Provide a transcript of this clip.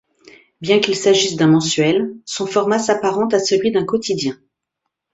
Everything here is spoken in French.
Bien qu'il s'agisse d'un mensuel, son format s'apparente à celui d'un quotidien.